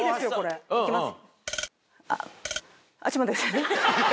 行きます。